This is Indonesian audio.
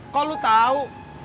kok lo tau